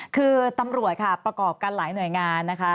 คือตำรวจค่ะประกอบกันหลายหน่วยงานนะคะ